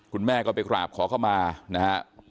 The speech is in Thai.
คุณแม่ก็ไปกราบขอเข้ามานะฮะ